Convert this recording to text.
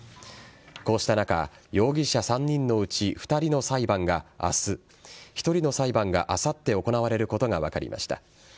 こうした中容疑者３人のうち２人の裁判が明日１人の裁判があさって行われることが分かりました。